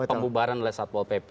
pembubaran oleh satpol pp